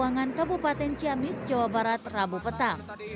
angin puting beliung di sebuah kapal